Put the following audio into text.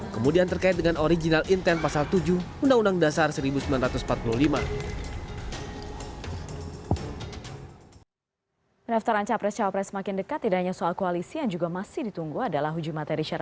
kemudian terkait dengan original intent pasal tujuh undang undang dasar seribu sembilan ratus empat puluh lima